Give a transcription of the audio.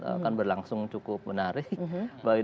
akan berlangsung cukup menarik